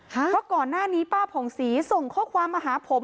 เพราะก่อนหน้านี้ป้าผ่องศรีส่งข้อความมาหาผม